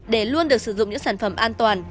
để luôn được sử dụng những sản phẩm an toàn